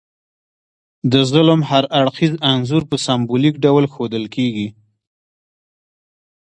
د ظلم هر اړخیز انځور په سمبولیک ډول ښودل کیږي.